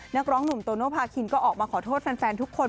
นักร้องหนุ่มโตโนภาคินก็ออกมาขอโทษแฟนทุกคน